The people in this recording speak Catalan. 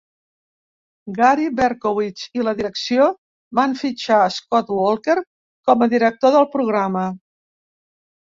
Gary Berkowitz i la direcció van fitxar Scott Walker com a director del programa.